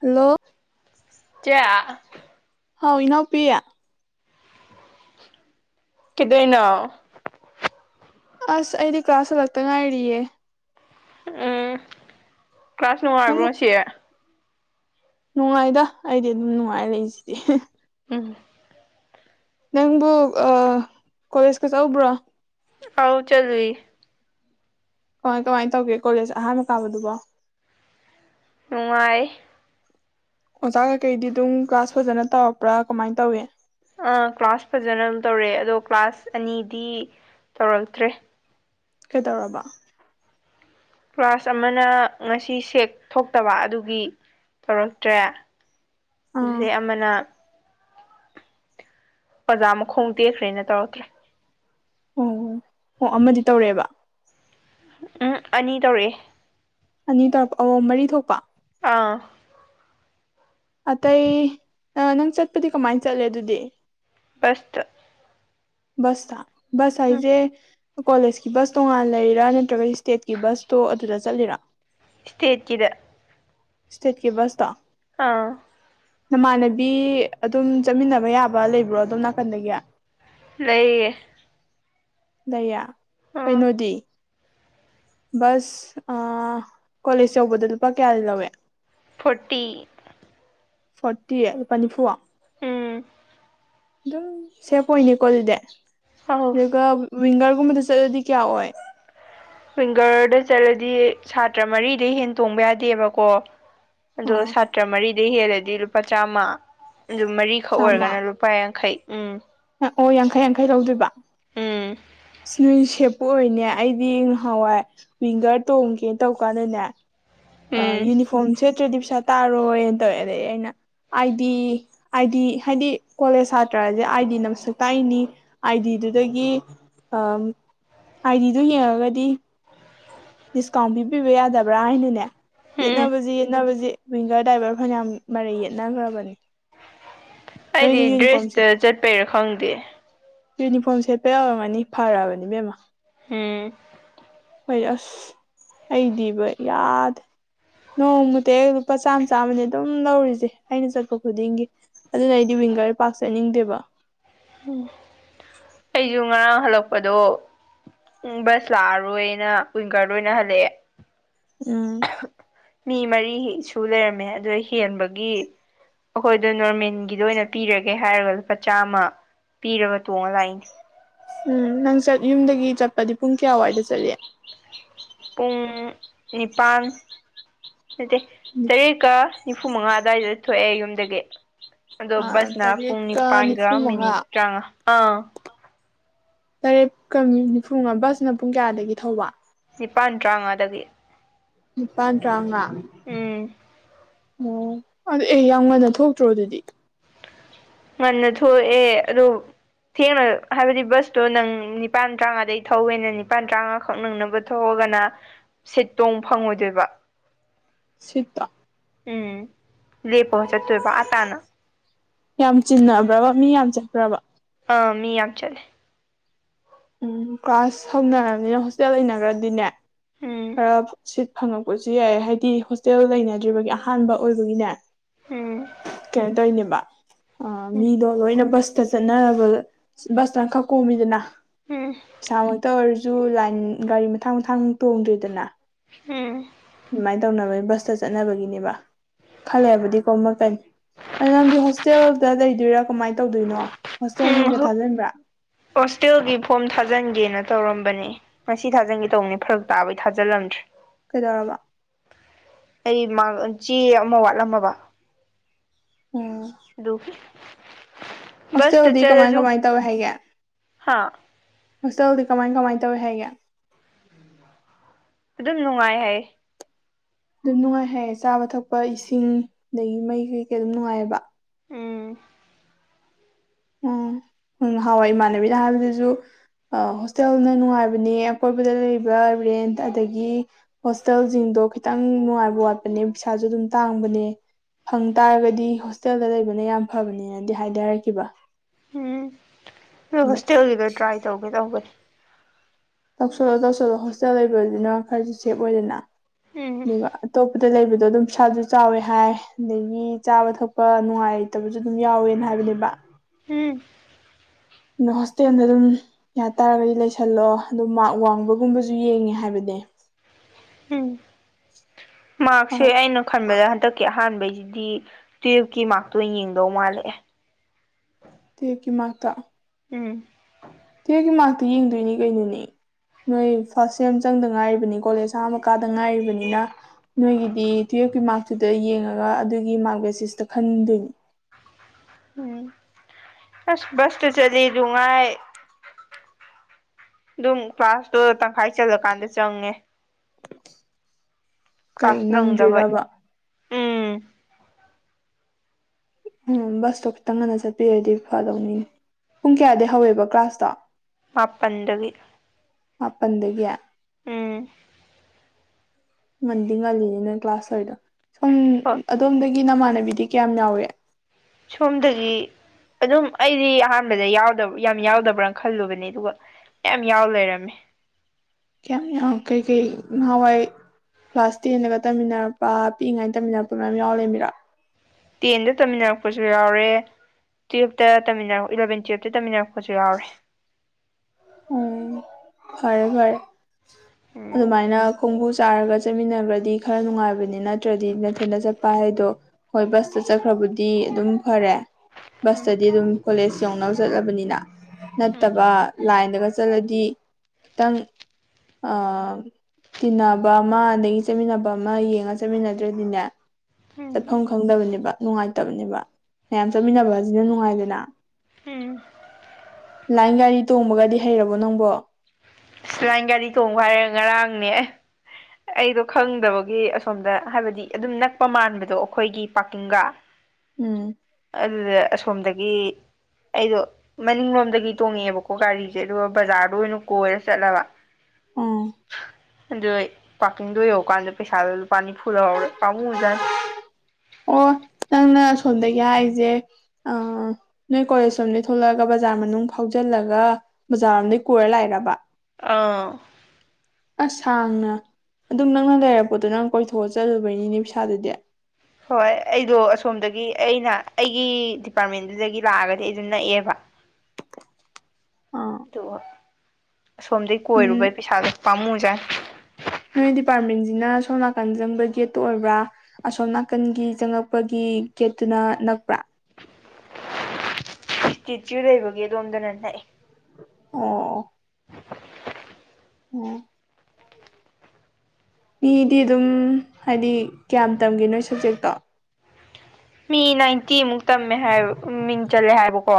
Hello ꯆꯦ ꯍꯥꯎ ꯏꯅꯥꯎꯄꯤ ꯀꯩꯗꯧꯔꯤꯅꯣ ꯑꯁ ꯑꯩꯗꯤ ꯀ꯭ꯂꯥꯁ ꯍꯜꯂꯛꯇ ꯉꯥꯏꯔꯤꯌꯦ ꯎꯝ ꯀ꯭ꯂꯥꯁ ꯅꯨꯡꯉꯥꯏꯕ꯭ꯔꯣ ꯅꯪꯕꯨ ꯉꯁꯤ ꯅꯨꯡꯉꯥꯏꯗ ꯑꯩꯗꯤ ꯑꯗꯨꯝ ꯅꯨꯡꯉꯥꯏꯔ ꯂꯩꯁꯤꯗꯤ ꯎꯝ ꯅꯪꯕꯨ ꯑꯥ ꯀꯣꯂꯦꯖꯀꯥ ꯆꯠꯂꯨꯕ꯭ꯔꯣ ꯑꯥꯎ ꯆꯠꯂꯨꯏ ꯀꯃꯥꯏ ꯀꯃꯥꯏꯅ ꯇꯧꯒꯦ ꯀꯣꯂꯦꯖ ꯑꯍꯥꯟꯕ ꯀꯥꯕꯗꯨꯕꯣ ꯅꯨꯡꯉꯥꯏ ꯑꯣꯖꯥ ꯀꯩꯀꯩꯗꯤ ꯑꯗꯨꯝ ꯀ꯭ꯂꯥꯁ ꯐꯖꯅ ꯇꯧꯔꯛꯄ꯭ꯔꯥ ꯀꯃꯥꯏꯅ ꯇꯧꯏ ꯑ ꯀ꯭ꯂꯥꯁ ꯐꯖꯅ ꯑꯗꯨꯝ ꯇꯧꯔꯛꯑꯦ ꯑꯗꯣ ꯀ꯭ꯂꯥꯁ ꯑꯅꯤꯗꯤ ꯇꯧꯔꯛꯇ꯭ꯔꯦ ꯀꯩꯗꯧꯔꯕ ꯀ꯭ꯂꯥꯁ ꯑꯃꯅ ꯉꯁꯤ ꯁꯦꯛ ꯊꯣꯛꯇꯕ ꯑꯗꯨꯒꯤ ꯇꯧꯔꯛꯇ꯭ꯔꯦ ꯑꯥ ꯑꯗꯨꯗꯩ ꯑꯃꯅ ꯑꯣꯖꯥ ꯃꯈꯣꯡ ꯇꯦꯛꯈ꯭ꯔꯦꯅ ꯇꯧꯔꯛꯇ꯭ꯔꯦ ꯑꯣ ꯑꯣ ꯑꯃꯗꯤ ꯇꯧꯔꯛꯑꯦꯕ ꯎꯝꯍꯨꯛ ꯑꯅꯤ ꯇꯧꯔꯛꯑꯦ ꯑꯅꯤ ꯇꯧꯔꯛꯄ ꯑꯣ ꯃꯔꯤ ꯊꯣꯛꯄ ꯑꯥ ꯑꯇꯩ ꯅꯪ ꯆꯠꯄꯗꯤ ꯀꯃꯥꯏꯅ ꯆꯠꯂꯦ ꯑꯗꯨꯗꯤ ꯕꯁꯇ ꯕꯁꯇ ꯕꯁ ꯎꯝ ꯍꯥꯏꯖꯦ ꯀꯣꯂꯦꯖꯀꯤ ꯕꯁ ꯇꯣꯉꯥꯟ ꯂꯩꯔꯤꯔꯥ ꯅꯠꯇ꯭ꯔꯒ ꯏꯁꯇꯦꯠꯀꯤ ꯕꯁꯇꯣ ꯑꯗꯨꯗ ꯆꯠꯂꯤꯔꯥ ꯏꯁ꯭ꯇꯦꯠꯀꯤꯗ ꯏꯁꯇꯦꯠꯀꯤ ꯕꯁꯇ ꯑ ꯅꯃꯥꯟꯅꯕꯤ ꯑꯗꯨꯝ ꯆꯠꯃꯤꯟꯅꯕ ꯌꯥꯕ ꯂꯩꯕ꯭ꯔꯣ ꯑꯗꯣꯝ ꯅꯥꯀꯟꯗꯒꯤ ꯂꯩꯌꯦ ꯂꯩꯌꯦ ꯑꯥ ꯀꯩꯅꯣꯗꯤ ꯕꯁ ꯀꯣꯂꯦꯖ ꯌꯧꯕꯗ ꯂꯨꯄꯥ ꯀꯌꯥꯗꯤ ꯂꯧꯋꯦ ꯐꯣꯔꯇꯤ ꯐꯣꯔꯇꯤ ꯂꯨꯄꯥ ꯅꯤꯐꯨ ꯎꯝ ꯑꯗꯨꯝ ꯁꯦꯐ ꯑꯣꯏꯅꯦꯀꯣ ꯑꯗꯨꯗꯤ ꯑꯧ ꯑꯗꯨꯒ ꯋꯤꯡꯒꯔꯒꯨꯝꯕꯗ ꯆꯠꯂꯗꯤ ꯀꯌꯥ ꯑꯣꯏ ꯋꯤꯡꯒꯔꯗ ꯆꯠꯂꯗꯤ ꯁꯥꯇ꯭ꯔ ꯃꯔꯤꯗꯩ ꯍꯦꯟ ꯇꯣꯡꯕ ꯌꯥꯗꯦꯕꯀꯣ ꯑꯗꯣ ꯑꯣ ꯁꯥꯇ꯭ꯔ ꯃꯔꯤꯗꯩ ꯍꯦꯜꯂꯗꯤ ꯂꯨꯄꯥ ꯆꯥꯝꯃ ꯑꯗꯨꯝ ꯃꯔꯤꯈꯛ ꯆꯥꯝꯃ ꯑꯣꯏꯔꯒꯅ ꯂꯨꯄꯥ ꯌꯥꯡꯈꯩ ꯎꯝ ꯑꯣ ꯌꯥꯡꯈꯩ ꯌꯥꯡꯈꯩ ꯂꯧꯗꯣꯏꯕ ꯎꯝ ꯅꯣꯏ ꯁꯦꯞꯄꯨ ꯑꯣꯏꯅꯦ ꯑꯩꯗꯤ ꯅꯍꯥꯟꯋꯥꯏ ꯋꯤꯡꯒꯔ ꯇꯣꯡꯒꯦ ꯇꯧꯀꯥꯟꯗꯅꯦ ꯑ ꯎꯝ ꯌꯨꯅꯤꯐꯣꯔ꯭ꯝ ꯁꯦꯠꯇ꯭ꯔꯗꯤ ꯄꯩꯁꯥ ꯇꯥꯔꯣꯏꯅ ꯇꯧꯋꯦ ꯑꯗꯩ ꯑꯩꯅ ꯑꯥꯏ ꯗꯤ ꯑꯥꯏ ꯗꯤ ꯍꯥꯏꯗꯤ ꯀꯣꯂꯦꯖ ꯁꯥꯇ꯭ꯔꯁꯦ ꯑꯥ ꯑꯥꯏꯗꯤꯅ ꯑꯃꯁꯨ ꯄꯥꯏꯅꯤ ꯑꯥꯏ ꯗꯤꯗꯨꯗꯒꯤ ꯑꯝ ꯑꯥꯏꯗꯤꯗꯨ ꯌꯦꯡꯉꯒꯗꯤ ꯗꯤꯁꯀꯥꯎꯟ ꯄꯤꯕꯤꯕ ꯌꯥꯗꯕ꯭ꯔꯥ ꯍꯥꯏꯅꯅꯦ ꯎꯝ ꯌꯦꯠꯅꯕꯁꯤ ꯌꯦꯠꯅꯕꯁꯤ ꯋꯤꯡꯒꯔ ꯗ꯭ꯔꯥꯏꯚꯔ ꯐꯅꯌꯥꯝ ꯃꯔꯩ ꯌꯦꯠꯅꯈ꯭ꯔꯕꯅꯦ ꯑꯩꯗꯤ ꯗ꯭ꯔꯦꯁꯇ ꯆꯠꯄꯩꯔꯥ ꯈꯪꯗꯦ ꯌꯨꯅꯤꯐꯣꯔꯝ ꯁꯦꯠꯄ ꯑꯣꯏꯔꯝꯒꯅꯤ ꯐꯔꯕꯅꯤ ꯏꯕꯦꯝꯃ ꯎꯝ ꯍꯣꯏ ꯑꯁ ꯑꯩꯗꯤꯕ ꯌꯥꯗꯦ ꯅꯣꯡꯃꯇꯍꯦꯛ ꯂꯨꯄꯥ ꯆꯥꯝꯃ ꯆꯥꯝꯃꯅꯦ ꯑꯗꯨꯝ ꯂꯧꯔꯤꯁꯦ ꯑꯩꯅ ꯆꯠꯄ ꯈꯨꯗꯤꯡꯒꯤ ꯑꯗꯨꯅ ꯑꯩꯗꯤ ꯋꯤꯡꯒꯔ ꯄꯥꯛ ꯆꯠꯅꯤꯡꯗꯦꯕ ꯎꯝ ꯑꯩꯁꯨ ꯉꯔꯥꯡ ꯍꯜꯂꯛꯄꯗꯣ ꯎꯝ ꯕꯁ ꯂꯥꯛꯑꯔꯣꯏꯅ ꯋꯤꯡꯒꯔꯗ ꯑꯣꯏꯅ ꯍꯜꯂꯛꯑꯦ ꯎꯝ ꯃꯤ ꯃꯔꯤ ꯁꯨ ꯂꯩꯔꯝꯃꯦ ꯑꯗꯨꯏ ꯍꯦꯟꯕꯒꯤ ꯑꯩꯈꯣꯏꯗꯣ ꯅꯣꯔꯃꯦꯜꯒꯤꯗ ꯑꯣꯏꯅ ꯄꯤꯔꯒꯦ ꯍꯥꯏꯔꯒ ꯂꯨꯄꯥ ꯆꯥꯝꯃ ꯄꯤꯔꯒ ꯇꯣꯡꯉ ꯂꯥꯛꯏꯅꯦ ꯎꯝ ꯅꯪ ꯆꯠ ꯌꯨꯝꯗꯒꯤ ꯆꯠꯄꯗꯤ ꯄꯨꯡ ꯀꯌꯥꯋꯥꯏꯗ ꯆꯠꯂꯤ ꯄꯨꯡ ꯅꯤꯄꯥꯟ ꯅꯠꯇꯦ ꯇꯔꯦꯠꯀ ꯅꯤꯐꯨꯃꯉꯥ ꯑꯗꯨꯋꯥꯏꯗ ꯊꯣꯛꯑꯦ ꯌꯨꯝꯗꯒꯤ꯫ ꯑꯗꯣ ꯕꯁꯅ ꯄꯨꯡ ꯇꯔꯦꯠꯀ ꯅꯤꯄꯥꯟꯒ ꯅꯤꯐꯨ ꯃꯤꯅꯤꯠ ꯃꯉꯥ ꯇꯔꯥꯉꯥ ꯑꯥ ꯇꯔꯦꯠꯀ ꯃꯤꯅꯤꯐꯨꯉꯥ ꯕꯁꯅ ꯄꯨꯡ ꯀꯌꯥꯗꯒꯤ ꯊꯧꯕ? ꯅꯤꯄꯥꯟ ꯇꯔꯥꯉꯥꯗꯒꯤ꯫ ꯅꯤꯄꯥꯥꯟ ꯇꯔꯥꯉꯥ ꯎꯝ ꯃꯣ ꯑꯗꯣ ꯑꯦ ꯌꯥꯝ ꯉꯟꯅ ꯊꯣꯛꯇ꯭ꯔꯣ ꯑꯗꯨꯗꯤ ꯉꯟꯅ ꯊꯣꯛꯑꯦ ꯑꯗꯨ ꯊꯦꯡꯅ ꯍꯥꯏꯕꯗꯤ ꯕꯁꯇꯣ ꯅꯪ ꯅꯤꯄꯥꯟ ꯇꯔꯥꯃꯉꯥꯗꯒꯤ ꯊꯧꯋꯦꯅ ꯅꯤꯄꯥꯟ ꯇꯔꯥꯉꯥꯈꯛ ꯅꯪꯅꯕ ꯊꯣꯛꯑꯒꯅ ꯁꯤꯠ ꯇꯣꯡ ꯐꯪꯉꯣꯏꯗꯣꯏꯕ꯫ ꯁꯤꯠꯇꯣ ꯎꯝ ꯂꯦꯞꯄꯒ ꯆꯠꯇꯣꯏꯕ ꯑ ꯇꯥꯅ ꯌꯥꯝ ꯆꯤꯟꯅꯕ꯭ꯔꯕ ꯃꯤ ꯌꯥꯝ ꯆꯠꯄ꯭ꯔꯕ? ꯑꯥ ꯃꯤ ꯌꯥꯝ ꯆꯠꯂꯦ ꯎꯝ ꯀ꯭ꯂꯥꯁ ꯍꯧꯅꯔꯕꯃꯤꯅ ꯍꯣꯁꯇꯦꯜ ꯂꯩꯅꯒꯔꯗꯤꯅꯦ ꯎꯝ ꯈꯔ ꯁꯤꯠ ꯐꯪꯉꯛꯄꯖꯨ ꯌꯥꯏ ꯍꯥꯏꯗꯤ ꯍꯣꯁꯇꯦꯜ ꯂꯩꯅꯗ꯭ꯔꯤꯕꯒꯤ ꯑꯍꯥꯟꯕ ꯑꯣꯏꯕꯒꯤꯅꯦ ꯎꯝ ꯀꯩꯅꯣ ꯇꯧꯔꯤꯅꯦꯕ ꯑ ꯎꯝ ꯃꯤꯗꯣ ꯂꯣꯏꯅ ꯕꯁ ꯇ ꯆꯠꯅꯔꯕꯗ ꯕꯁꯇꯅ ꯈꯔ ꯀꯣꯝꯃꯤꯗꯅ ꯎꯝ ꯄꯩꯁꯥꯃꯛꯇ ꯑꯣꯏꯔ ꯖꯨ ꯂꯥꯏꯟ ꯒꯥꯔꯤ ꯃꯊꯥꯡ ꯃꯊꯥꯡ ꯇꯣꯡꯗ꯭ꯔꯤꯗꯅ ꯎꯝ ꯑꯗꯨꯃꯥꯏꯅ ꯇꯧꯅꯕꯒꯤ ꯕꯁꯇ ꯆꯠꯅꯕꯒꯤꯅꯦꯕ ꯈ ꯂꯩꯔꯕꯨꯗꯤ ꯀꯣꯃꯛꯀꯅꯤ ꯑꯗ‌ꯣ ꯅꯪꯗꯤ ꯍꯣꯁꯇꯦꯜꯗ ꯂꯩꯗꯣꯏꯔꯥ ꯀꯃꯥꯏ ꯇꯧꯗꯣꯏꯅꯣ? ꯍꯣꯁꯇꯦꯜꯒꯤꯒ ꯎꯝ ꯊꯥꯖꯟꯕ꯭ꯔꯥ ꯍꯣꯁꯇꯦꯜꯒꯤ ꯐꯣꯝ ꯊꯥꯖꯟꯒꯦꯅ ꯇꯧꯔꯝꯕꯅꯦ꯫ ꯉꯁꯤ ꯊꯥꯖꯟꯒꯦ ꯇꯧꯅꯦ ꯐꯔꯛ ꯇꯥꯕꯩ ꯊꯥꯖꯜꯂꯝꯗ꯭ꯔꯦ꯫ ꯀꯩꯗꯧꯔꯕ? ꯑꯩ ꯃꯥꯛ ꯑꯥ ꯆꯦ ꯑꯃ ꯋꯥꯠꯂꯝꯃꯕ꯫ ꯎꯝ ꯑꯗꯨ ꯍꯣꯁꯇꯦꯜꯗꯤ ꯀꯃꯥꯏ ꯀꯃꯥꯏ ꯇꯧꯏ ꯍꯥꯏꯒꯦ ꯍꯥ ꯍꯣꯁꯇꯦꯜꯗꯤ ꯀꯃꯥꯏ ꯀꯃꯥꯏ ꯇꯧꯏ ꯍꯥꯏꯒꯦ ꯑꯗꯨꯝ ꯅꯨꯡꯉꯥꯏ ꯍꯥꯏ ꯑꯗꯨꯝ ꯅꯨꯡꯉꯥꯏ ꯍꯥꯏꯌꯦ ꯆꯥꯕ ꯊꯛꯄ ꯏꯁꯤꯡ ꯑꯗꯒꯤ ꯃꯩ ꯀꯩ ꯀꯩ ꯑꯗꯨꯝ ꯅꯨꯡꯉꯥꯏꯕ ꯎꯝ ꯎꯝ ꯉꯥꯍꯥꯋꯥꯏ ꯏꯃꯥꯟꯅꯕꯤꯅ ꯍꯥꯏꯕꯗꯖꯨ ꯑꯥ ꯍꯣꯁꯇꯦꯜꯅ ꯅꯨꯡꯉꯥꯏꯕꯅꯦ ꯑꯀꯣꯏꯕꯗ ꯂꯩꯔꯤꯕ ꯔꯦꯟꯠ ꯑꯗꯒꯤ ꯍꯣꯁꯇꯦꯜꯖꯤꯡꯗꯣ ꯈꯤꯇꯪ ꯅꯨꯡꯉꯥꯏꯕ ꯋꯥꯠꯄꯅꯦ ꯄꯩꯁꯥꯖꯨ ꯑꯗꯨꯝ ꯇꯥꯡꯕꯅꯦ ꯐꯪ ꯇꯥꯔꯒꯗꯤ ꯍꯣꯁꯇꯦꯜꯗ ꯂꯩꯕꯅ ꯌꯥꯝ ꯐꯕꯅꯦꯅꯗꯤ ꯍꯥꯏꯗꯤ ꯍꯥꯏꯔꯛꯈꯤꯕ ꯎꯝ ꯑꯗꯣ ꯍꯣꯁꯇꯦꯜꯒꯤꯗ‌ꯣ ꯇ꯭ꯔꯥꯏ ꯇꯧꯒꯦ ꯇꯧꯕꯅꯤ꯫ ꯇꯧꯁꯜꯂꯣ ꯇꯧꯁꯜꯂꯣ ꯍꯣꯁꯇꯦꯜ ꯂꯩꯕꯖꯤꯅ ꯈꯔꯖꯨ ꯁꯦꯞ ꯑꯣꯏꯗꯅ ꯎꯝ ꯑꯗꯨꯒ ꯑꯇꯣꯞꯄꯗ ꯂꯩꯕꯗꯣ ꯑꯗꯨꯝ ꯄꯩꯁꯥꯖꯨ ꯆꯥꯎꯔꯦ ꯍꯥꯏ ꯑꯗꯒꯤ ꯆꯥꯕ ꯊꯛꯄ ꯅꯨꯡꯉꯥꯏꯇꯕꯖꯨ ꯑꯗꯨꯝ ꯌꯥꯎꯋꯦꯅ ꯍꯥꯏꯕꯅꯦꯕ꯫ ꯎꯝ ꯅ ꯍꯣꯁꯇꯦꯜꯗ ꯑꯗꯨꯝ ꯌꯥꯇꯥꯥꯔꯒꯗꯤ ꯂꯩꯁꯜꯂꯣ ꯑꯗꯨ ꯃꯥꯛ ꯋꯥꯡꯕꯒꯨꯝꯕꯖꯨ ꯌꯦꯡꯉꯦ ꯍꯥꯏꯕꯅꯦ ꯎꯝ ꯃꯥꯔ꯭ꯛꯁꯦ ꯑꯍ ꯑꯩꯅ ꯈꯟꯕꯗ ꯍꯟꯗꯛꯀꯤ ꯑꯍꯥꯟꯕꯩꯖꯤꯗꯤ ꯇꯨꯌꯦꯜꯐꯀꯤ ꯃꯥꯔꯛꯇꯣ ꯑꯣꯏꯅ ꯌꯦꯡꯗꯧ ꯃꯥꯜꯂꯛꯑꯦ꯫ ꯇꯨꯌꯦꯜꯐꯀꯤ ꯃꯥꯛꯇꯣ ꯎꯝ ꯇꯨꯋꯦꯐꯀꯤ ꯃꯥꯛꯇꯨ ꯌꯦꯡꯗꯣꯏꯅꯤ ꯀꯩꯅꯣꯅꯦ꯫ ꯅꯣꯏ ꯐꯥꯔꯁ ꯁꯦꯝ ꯆꯪꯗ ꯉꯥꯏꯔꯤꯕꯅꯤ ꯀꯣꯂꯦꯖ ꯑꯍꯥꯟꯕ ꯀꯥꯗ ꯉꯥꯏꯔꯤꯕꯅꯤꯅ꯫ ꯅꯣꯏꯒꯤꯗꯤ ꯇꯨꯌꯦꯜꯞꯀꯤ ꯃꯥꯔꯛꯇꯨꯗ ꯌꯦꯡꯉꯒ ꯑꯗꯨꯒꯤ ꯃꯥꯔꯛ ꯕꯦꯁꯤꯁꯇ ꯈꯟꯗꯣꯏꯅꯤ ꯎꯝ ꯑꯁ ꯁ ꯇ ꯆꯂ ꯂꯨꯒ ꯑꯗꯨꯝ ꯀ꯭ꯂꯥꯁꯇꯣ ꯇꯪꯈꯥꯏ ꯆꯜꯂꯀꯥꯟꯗ ꯆꯪꯉꯦ ꯀꯩ ꯀ꯭ꯂꯥꯁ ꯅꯪꯗꯕꯩ ꯅꯪꯗ꯭ꯣꯏꯔꯕ ꯎꯝ ꯎꯝ ꯕꯁꯇꯣ ꯈꯤꯇꯪ ꯉꯟꯅ ꯆꯠꯄꯤꯔꯗꯤ ꯐꯗꯧꯅꯤ ꯄꯨꯡ ꯀꯌꯥꯗ ꯍꯧꯋꯦꯕ ꯀ꯭ꯂꯥꯁꯇꯣ ꯃꯥ ꯄꯟꯗꯨꯕꯤ ꯃꯥꯄꯟꯗꯒꯤ ꯎꯝ ꯃꯟꯗꯤ ꯉꯜꯂꯤꯅꯤ ꯅꯣꯏ ꯀ꯭ꯂꯥꯁ ꯑꯣꯏꯗꯣ ꯁꯣꯨꯝ ꯍꯣꯏ ꯑꯗꯣꯝꯗꯒꯤ ꯅꯃꯥꯟꯅꯕꯤꯗꯤ ꯀꯌꯥꯝ ꯌꯥꯎꯏꯦ ꯁꯣꯝꯗꯗꯤ ꯑꯗꯨꯝ ꯑꯩꯗꯤ ꯑꯍꯥꯟꯕꯗ ꯌꯥꯎꯗꯕ ꯌꯥꯝ ꯌꯥꯎꯗꯕ꯭ꯔꯅ ꯈꯜꯂꯨꯕꯅꯦ ꯑꯗꯨꯒ ꯌꯥꯝ ꯌꯥꯎ ꯂꯩꯔꯝꯃꯤ ꯀꯌꯥ ꯀꯩꯀꯩ ꯅꯋꯥꯏ ꯀ꯭ꯂꯥꯁ ꯇꯦꯟꯗꯒ ꯇꯝꯃꯤꯟꯅꯔꯛꯄ ꯄꯤꯛꯏꯉꯥꯏꯅ ꯇꯝꯃꯤꯟꯅꯛꯄ ꯃꯌꯥꯝ ꯌꯥꯎꯔꯦ ꯃꯤꯔꯣ ꯇꯦꯟꯗ ꯇꯝꯃꯤꯟꯅꯔꯛꯄꯁꯨ ꯌꯥꯎꯔꯦ ꯇꯨꯌꯦꯜꯞꯇ ꯇꯝꯃꯤꯟꯅꯔꯛ ꯏꯂꯕꯦꯟ ꯇꯨꯌꯦꯜꯞꯇ ꯇꯝꯃꯤꯟꯅꯔꯛꯄꯁꯨ ꯌꯥꯎꯔꯦ ꯎꯝ ꯐꯔꯦ ꯐꯔꯦ ꯎꯝ ꯑꯗꯨꯃꯥꯏꯅ ꯈꯣꯡꯕꯨ ꯆꯥꯔꯒ ꯆꯠꯃꯤꯟꯅꯕꯗꯤ ꯈꯔ ꯅꯨꯡꯉꯥꯏꯕꯅꯤ ꯅꯠꯇ꯭ꯔꯗꯤ ꯃꯊꯗ ꯆꯠꯄ ꯍꯥꯏꯗꯣ ꯍꯣꯏ ꯕꯁꯇ ꯆꯠꯈ꯭ꯔꯕꯨꯗꯤ ꯑꯗꯨꯝ ꯐꯔꯦ ꯎꯝ ꯕꯁꯇꯗꯤ ꯑꯗꯨꯝ ꯀꯣꯂꯦꯖ ꯌꯧꯅꯕ ꯆꯠꯂꯕꯅꯤꯅ ꯅꯠꯇꯕ ꯂꯥꯏꯟꯗꯒ ꯆꯠꯂꯗꯤ ꯈꯤꯇꯪ ꯇꯤꯟꯅꯕ ꯑꯃ ꯑꯗꯒꯤ ꯆꯠꯃꯤꯟꯅꯕ ꯑꯃ ꯌꯦꯡꯉ ꯆꯠꯃꯤꯟꯅꯗ꯭ꯔꯗꯤꯅꯦ ꯎꯝ ꯆꯠꯐꯝ ꯈꯪꯗꯕꯅꯦꯕ ꯅꯨꯡꯉꯥꯏꯇꯕꯅꯦꯕ ꯃꯌꯥꯝ ꯆꯠꯃꯤꯟꯅꯕꯁꯤꯅ ꯅꯨꯡꯉꯥꯏꯗꯅ ꯎꯝ ꯂꯥꯏꯟ ꯒꯥꯔꯤ ꯇꯣꯡꯕꯒꯗꯤ ꯍꯩꯔꯕꯣ ꯅꯪꯕꯣ ꯁꯤꯂꯥꯏ ꯒꯥꯔꯤ ꯊꯣꯡꯕ ꯍꯥꯏꯔꯦ ꯉꯔꯥꯡꯅꯦ ꯑꯩꯗꯣ ꯈꯪꯗꯕꯒꯤ ꯑꯁꯣꯝꯗ ꯍꯥꯏꯕꯗꯤ ꯑꯗꯨꯝ ꯅꯛꯄ ꯃꯥꯟꯕꯗꯣ ꯑꯩꯈꯣꯏꯒꯤ ꯄꯥꯔꯀꯤꯡꯒ [unintelligible] ꯎꯝ ꯑꯗꯨꯗ ꯑꯁꯣꯝꯗꯒꯤ ꯑꯩꯗꯣ ꯃꯅꯤꯡꯂꯣꯝꯗꯒꯤ ꯇꯣꯡꯉꯛꯑꯦꯕꯀꯣ ꯒꯥꯔꯤꯁꯦ ꯑꯗꯨꯒ ꯕꯖꯥꯔꯗ ꯑꯣꯏꯅ ꯀꯣꯏꯔ ꯆꯠꯂꯕ ꯎꯝ ꯑꯗꯣ ꯄꯥꯔꯀꯤꯡꯗꯣ ꯌꯧꯔꯀꯥꯟꯗ ꯄꯩꯁꯥꯗꯣ ꯂꯨꯄꯥ ꯅꯤꯐꯨ ꯂꯧꯔꯦ ꯄꯥꯃꯨꯖꯥꯅꯤ ꯑꯣ ꯅꯪꯅ ꯁꯣꯝꯗꯒꯤ ꯍꯥꯏꯁꯦ ꯑ ꯅꯣꯏ ꯀꯣꯂꯦꯖ ꯂꯣꯝꯗ ꯊꯣꯛꯂꯛꯑꯒ ꯕꯖꯥꯔ ꯃꯅꯨꯡ ꯐꯥꯎꯖꯤꯜꯂꯒ ꯕꯖꯥꯔꯣꯝꯗꯒꯤꯩ ꯀꯣꯏꯔ ꯂꯥꯛꯏꯔꯕ ꯑꯥ ꯑꯁ ꯁꯥꯡꯅ ꯑꯗꯨꯝ ꯅꯪꯅ ꯂꯩꯔꯛꯄꯗꯣ ꯅꯪ ꯀꯣꯏꯊꯣꯛꯑ ꯆꯠꯂꯨꯕꯩꯅꯤꯅꯦ ꯄꯩꯁꯥꯗꯨꯗꯤ ꯍꯣꯏ ꯑꯩꯗꯣ ꯑꯁꯣꯝꯗꯒꯤ ꯑꯩꯅ ꯑꯩꯒꯤ ꯗꯤꯄꯥꯔꯠꯃꯦꯟꯗꯨꯗꯒꯤ ꯂꯥꯛꯑꯒꯗꯤ ꯑꯩꯁꯨ ꯅꯛꯑꯦꯕ ꯑꯥ ꯑꯗꯨꯒ ꯑꯁꯣꯝꯗꯒꯤꯩ ꯎꯝ ꯀꯣꯏꯔꯨꯕꯩ ꯄꯩꯁꯥꯗ ꯄꯝꯨ ꯌꯥꯥꯏ ꯅꯣꯏ ꯗꯤꯄꯥꯔꯠꯃꯦꯟꯁꯤꯅ ꯁꯣꯝ ꯅꯥꯀꯟ ꯆꯪꯕ ꯒꯦꯠꯇ ꯑꯣꯏꯕ꯭ꯔꯥ ꯑꯁꯣꯝ ꯅꯥꯀꯟꯒꯤ ꯆꯪꯉꯛꯄꯒꯤ ꯦꯠꯇꯨꯅ ꯅꯛꯄ꯭ꯔꯥ ꯏꯁꯇꯤꯆꯌꯨ ꯂꯩꯕꯒꯤ ꯑꯗꯣꯝꯗꯅ ꯅꯛꯑꯦ ꯑꯣ ꯎꯝ ꯃꯤꯗꯤ ꯑꯗꯨꯝ ꯍꯥꯏꯗꯤ ꯀꯌꯥꯝ ꯇꯝꯒꯦ ꯅꯣꯏ ꯁꯕꯖꯦꯛꯇꯣ ꯃꯤ ꯅꯥꯏꯟꯇꯤꯃꯨꯛ ꯇꯝꯃꯦ ꯍꯥꯏꯕ ꯃꯤꯡ ꯆꯜꯂꯦ ꯍꯥꯏꯕꯀꯣ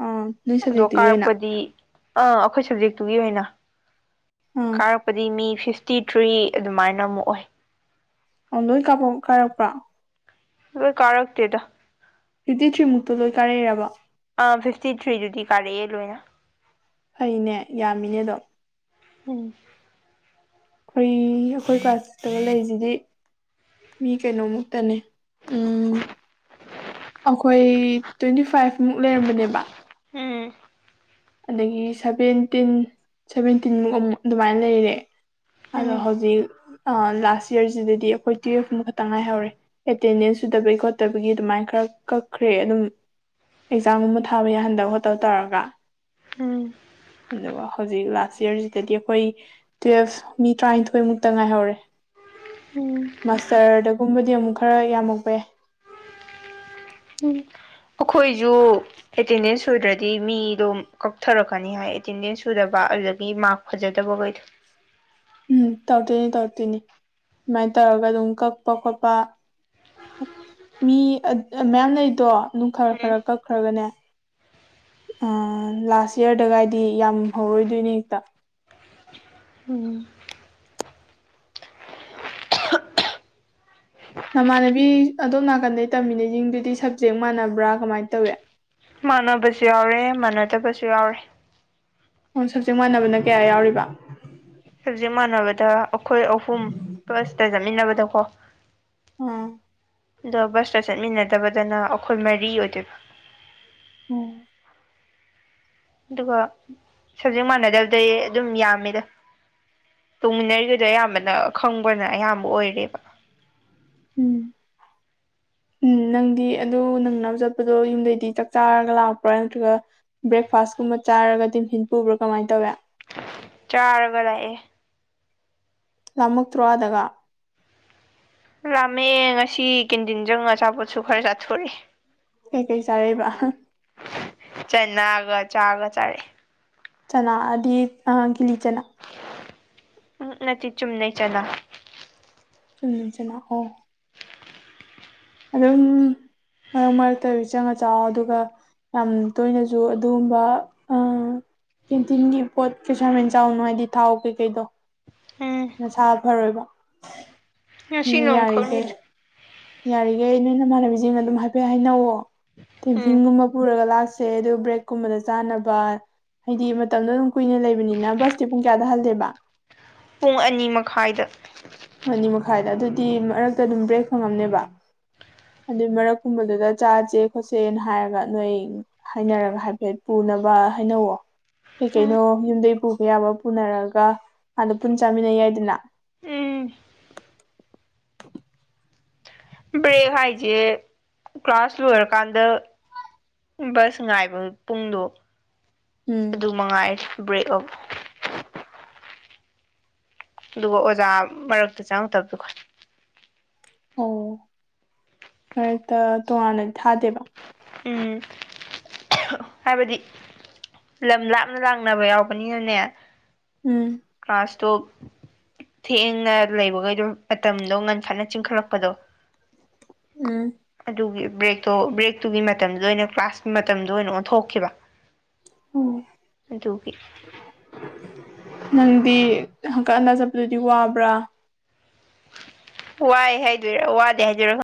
ꯑꯥ ꯅꯣꯏ ꯑꯗꯣ ꯁꯕꯖꯦꯛꯇꯨꯒꯤ ꯑꯣꯏꯅ ꯀꯥꯔꯛꯄꯗꯤ ꯑꯥ ꯑꯩꯈꯣꯏ ꯁꯕꯖꯦꯛꯇꯨꯒꯤ ꯑꯣꯏꯅ ꯑꯥ ꯀꯥꯔꯛ ꯗꯤ ꯃꯤ ꯐꯤꯐꯇꯤ ꯊ꯭ꯔꯤ ꯑꯗꯨꯃꯥꯏꯅ ꯑꯃꯨꯛ ꯑꯣꯏ ꯑꯣ ꯂꯣꯏ ꯀꯥꯞꯄ ꯀꯥꯔꯛꯄ꯭ꯔꯥ ꯑꯗꯨ ꯀꯥꯔꯛꯇꯗ ꯐꯤꯞꯇꯤ ꯊ꯭ꯔꯤꯃꯨꯛꯇ ꯂꯣꯏ ꯀꯥꯔꯦꯔꯕ ꯑꯥ ꯐꯤꯐꯇꯤ ꯊ꯭ꯔꯤꯗꯨꯗꯤ ꯀꯥꯔꯛꯑꯦ ꯂꯣꯏꯅ ꯐꯩꯅꯦ ꯌꯥꯝꯃꯤꯅꯦ ꯑꯗꯣ ꯎꯝ ꯑꯩꯈꯣꯏ ꯑꯩꯈꯣꯏ ꯀ꯭ꯂꯥꯁꯇꯒꯥ ꯂꯩꯔꯤꯁꯤꯗꯤ ꯃꯤ ꯀꯩꯅꯣꯃꯨꯛꯇꯅꯦ ꯎꯝ ꯑꯩꯈꯣꯏ ꯇ꯭ꯋꯦꯟꯇꯤ ꯐꯥꯏꯚ ꯃꯨꯛ ꯂꯩꯔꯝꯕꯅꯦꯕ ꯎꯝ ꯑꯗꯒꯤ ꯁꯚꯦꯟꯇꯤꯟ ꯁꯚꯦꯟꯇꯤꯟꯃꯨꯛ ꯑꯃꯨꯛ ꯑꯗꯨꯃꯥꯏꯅ ꯂꯩꯔꯦ ꯑꯗꯣ ꯎꯝ ꯍꯧꯖꯤꯛ ꯂꯥꯁ ꯏꯌꯥꯔꯁꯤꯗꯗꯤ ꯑꯩꯈꯣꯏ ꯇꯨꯌꯦꯜꯐꯃꯨ ꯈꯛꯇ ꯉꯥꯏꯍꯧꯔꯦ ꯑꯦꯇꯦꯟꯗꯦꯟꯁ ꯁꯨꯗꯕꯒꯤ ꯈꯣꯠꯇꯕꯒꯤ ꯑꯗꯨꯃꯥꯏꯅ ꯈꯔ ꯀꯛꯈ꯭ꯔꯦ ꯑꯗꯨꯝ ꯑꯦꯛꯖꯥꯝꯒꯨꯝꯕ ꯊꯥꯕ ꯌꯥꯍꯟꯗꯕ ꯈꯣꯠꯇꯕ ꯇꯧꯔꯒ ꯎꯝ ꯑꯗꯨꯒ ꯍꯧꯖꯤꯛ ꯂꯥꯁ ꯏꯌꯥꯔꯁꯤꯗꯗꯤ ꯑꯩꯈꯣꯏ ꯇꯨꯌꯦꯜꯐ ꯃꯤ ꯇꯔꯥꯅꯤꯊꯣꯏꯃꯨꯛꯇ ꯉꯥꯏꯍꯧꯔꯦ ꯎꯝ ꯃꯁꯇꯔꯗꯒꯨꯝꯕꯗꯤ ꯑꯃꯨꯛ ꯈꯔ ꯌꯥꯝꯃꯛꯄ ꯌꯥꯏ ꯎꯝ ꯑꯩꯈꯣꯏꯁꯨ ꯑꯦꯇꯦꯟꯗꯦꯟꯁ ꯁꯨꯗ꯭ꯔꯗꯤ ꯃꯤꯗꯣ ꯀꯛꯊꯔꯛꯀꯅꯤ ꯍꯥꯏ ꯑꯦꯇꯦꯟꯗꯦꯟꯁ ꯁꯨꯗꯕ ꯑꯗꯨꯗꯒꯤ ꯃꯥꯥꯛ ꯐꯖꯗꯕꯈꯩꯗꯣ ꯎꯝ ꯇꯧꯔꯛꯇꯣꯏꯅꯤ ꯇꯧꯔꯛꯇꯣꯏꯅꯤ ꯑꯗꯨꯃꯥꯏꯅ ꯇꯧꯔꯒ ꯑꯗꯨꯝ ꯀꯛꯄ ꯈꯣꯠꯄ ꯃꯤ ꯃꯌꯥꯝ ꯂꯩꯗꯣ ꯑꯗꯨꯝ ꯈꯔ ꯎꯝ ꯈꯔ ꯀꯛ ꯀꯛꯈꯔꯒꯅꯦ ꯑ ꯂꯥꯁ ꯏꯌꯔꯗꯒꯥꯏꯗꯤ ꯌꯥꯝ ꯍꯧꯔꯣꯏꯗꯣꯏꯅꯦ ꯍꯦꯛꯇ ꯎꯝ ꯅꯃꯥꯟꯅꯕꯤ ꯑꯗꯣꯝ ꯅꯥꯀꯟꯗꯩ ꯇꯝꯃꯤꯅꯩꯁꯤꯡꯗꯨꯗꯤ ꯁꯞꯖꯦꯛ ꯃꯥꯟꯅꯕ꯭ꯔꯥ ꯀꯃꯥꯏꯅ ꯇꯧꯋꯦ ꯃꯥꯟꯅꯕꯁꯨ ꯌꯥꯎꯔꯦ ꯃꯥꯟꯅꯗꯕꯁꯨ ꯌꯥꯎꯔꯦ ꯑꯣꯝ ꯁꯞꯖꯦꯛ ꯃꯥꯟꯅꯕꯅ ꯀꯌꯥ ꯌꯥꯎꯔꯤꯕ ꯁꯞꯖꯦꯛ ꯃꯥꯟꯅꯕꯗ ꯑꯩꯈꯣꯏ ꯑꯍꯨꯝ ꯐꯁꯇ ꯆꯠꯃꯤꯟꯅꯕꯗ ꯀꯣ ꯎꯝ ꯑꯗꯣ ꯕꯁꯇ ꯆꯠꯃꯤꯟꯅꯗꯕꯗꯅ ꯑꯩꯈꯣꯏ ꯃꯔꯤ ꯑꯣꯏꯗꯣꯏꯕ ꯑꯣ ꯑꯗꯨꯒ ꯁꯕꯖꯦꯛ ꯃꯥꯟꯅꯗꯕꯗꯩ ꯑꯗꯨꯝ ꯌꯥꯝꯃꯤꯗ ꯇꯣꯡꯃꯤꯟꯅꯔꯤꯕꯗꯣ ꯑꯌꯥꯝꯕꯅ ꯈꯪꯕꯅ ꯑꯌꯥꯝꯕ ꯑꯣꯏꯔꯦꯕ ꯎꯝ [unintelligible] ꯎꯝ ꯅꯪꯗꯤ ꯑꯗꯨ ꯅꯪꯅꯕ ꯆꯠꯄꯗꯣ ꯌꯨꯝꯗꯩꯗꯤ ꯆꯥꯛ ꯆꯥꯔꯒ ꯂꯥꯛꯄ꯭ꯔꯥ ꯅꯠꯇ꯭ꯔꯒ ꯕ꯭ꯔꯦꯛꯐꯥꯁꯀꯨꯝꯕ ꯆꯥꯔꯒ ꯍꯤꯐꯤꯟ ꯄꯨꯕ꯭ꯔꯥ ꯀꯃꯥꯏꯅ ꯇꯧꯋꯦ ꯆꯥꯔꯒ ꯂꯥꯛꯑꯦ ꯂꯥꯃꯛꯇ꯭ꯔꯣ ꯑꯥꯗꯀꯥ ꯂꯥꯃꯛꯑꯦ ꯉꯁꯤ ꯀꯦꯟꯖꯤꯟ ꯆꯪꯉꯥ ꯑꯆꯥꯄꯣꯠꯁꯨ ꯈꯔ ꯆꯥꯊꯣꯛꯑꯦ ꯀꯩ ꯀꯩ ꯆꯥꯔꯛꯏꯕ ꯆꯅꯥꯒ ꯆꯥꯒ ꯆꯥꯔꯛꯑꯦ ꯆꯅꯥ ꯑꯗꯤ ꯀꯤꯂꯤ ꯆꯅꯥ ꯎꯛ ꯅꯠꯇꯀ ꯆꯨꯝꯅꯩ ꯆꯅꯥ ꯎꯝ ꯆꯅꯥ ꯑꯣ ꯑꯗꯨꯝ ꯃꯔꯛ ꯃꯔꯛꯇꯒ ꯆꯪꯉ ꯆꯥꯑꯣ ꯑꯗꯨꯒ ꯌꯥꯝ ꯇꯣꯏꯅꯁꯨ ꯑꯗꯨꯒꯨꯝꯕ ꯀꯦꯟꯇꯤꯟꯒꯤ ꯄꯣꯠ ꯀꯩꯁꯨ ꯌꯥꯝ ꯍꯦꯟꯅ ꯆꯥꯔꯨꯅꯨ ꯍꯥꯏꯗꯤ ꯊꯥꯎ ꯀꯩꯀꯩꯗꯣ ꯎꯝ ꯅꯁꯥ ꯐꯔꯣꯏꯕ ꯉꯁꯤ ꯑꯗꯨꯅ ꯌꯥꯔꯤꯈꯩ ꯅꯣꯡꯃꯈꯛꯅꯤꯗ ꯌꯥꯔꯤꯈꯩ ꯅꯣꯏꯅ ꯏꯃꯥꯟꯅꯕꯤꯁꯤꯡ ꯑꯗꯨꯝ ꯍꯥꯏꯐꯦꯠ ꯍꯥꯏꯅꯧꯋꯣ ꯎꯝ ꯇꯤꯐꯤꯟꯒꯨꯝꯕ ꯄꯨꯔꯒ ꯂꯥꯛꯁꯦ ꯑꯗꯨ ꯕ꯭ꯔꯦꯛꯀꯨꯝꯕꯗ ꯆꯥꯅꯕ ꯍꯥꯏꯗꯤ ꯃꯇꯝꯗꯣ ꯑꯗꯨꯝ ꯀꯨꯏꯅ ꯂꯩꯕꯅꯤꯅ ꯕꯁꯇꯤ ꯄꯨꯡ ꯀꯌꯥꯗ ꯍꯜꯂꯦꯕ ꯄꯨꯡ ꯑꯅꯤ ꯃꯈꯥꯏꯗ ꯑꯅꯤ ꯃꯈꯥꯏꯗ ꯑꯗꯨꯗꯤ ꯃꯔꯛꯇ ꯑꯗꯨꯝ ꯕ꯭ꯔꯦꯛ ꯐꯪꯉꯝꯅꯦꯕ ꯑꯗꯨꯏ ꯃꯔꯛ ꯀꯨꯝꯕꯗꯨꯗ ꯆꯥꯥꯁꯦ ꯈꯣꯠꯆꯦꯅ ꯍꯥꯏꯔꯒ ꯅꯣꯏ ꯍꯥꯏꯅꯔꯒ ꯍꯥꯏꯐꯦꯠ ꯄꯨꯅꯕ ꯍꯥꯏꯅꯧꯋꯣ ꯀꯩ ꯎꯝ ꯀꯩꯅꯣ ꯌꯨꯝꯗꯩ ꯄꯨꯕ ꯌꯥꯕ ꯄꯨꯅꯔꯒ ꯑꯥꯗ ꯄꯨꯟ ꯆꯥꯃꯤꯟꯅꯩ ꯌꯥꯏꯗꯅ ꯎꯝ [unintelligible] ꯕ꯭ꯔꯦꯛ ꯍꯥꯏꯁꯦ ꯀ꯭ꯂꯥꯁ ꯂꯣꯏꯔꯀꯥꯟꯗ ꯕꯁ ꯉꯥꯏꯕ ꯄꯨꯡꯗꯣ ꯎꯝ ꯃꯉꯥꯏ ꯕ꯭ꯔꯦꯛ ꯑꯞ ꯑꯗꯨꯒ ꯑꯣꯖꯥ ꯃꯔꯛꯇ ꯆꯪꯉꯛꯇꯕꯗꯨꯒ ꯑꯣ ꯃꯔꯛꯇ ꯇꯣꯉꯥꯟꯅꯗ ꯊꯥꯗꯦꯕ ꯎꯝ ꯍꯥꯏꯕꯗꯤ ꯂꯝ ꯂꯥꯞꯅ ꯂꯥꯛꯅꯕ ꯌꯥꯎꯕꯅꯤꯅꯅꯦ ꯎꯝ ꯀ꯭ꯂꯥꯁꯇꯣ ꯊꯦꯡꯅ ꯂꯩꯕꯒꯩꯗꯣ ꯃꯇꯝꯗꯣ ꯉꯟꯈꯠꯅ ꯆꯤꯡꯈꯠꯂꯛꯄꯗꯣ ꯎꯝ ꯑꯗꯨꯒꯤ ꯕ꯭ꯔꯦꯛꯇꯣ ꯕ꯭ꯔꯦꯛꯇꯨꯒꯤ ꯃꯇꯝꯗꯨꯗ ꯑꯣꯏꯅ ꯀ꯭ꯂꯥꯁꯀꯤ ꯃꯇꯝꯗꯣ ꯑꯣꯏꯅ ꯑꯣꯟꯊꯣꯛꯈꯤꯕ ꯑꯗꯨꯒꯤ ꯑꯣ ꯅꯪꯗꯤ ꯍꯪꯀꯠ ꯍꯟꯗ ꯆꯠꯄꯗꯨꯗꯤ ꯋꯥꯕ꯭ꯔꯥ ꯋꯥꯏ ꯍꯥꯏꯗꯣꯏꯔ ꯋꯥꯗꯦ ꯍꯥꯏꯗꯣꯏꯔ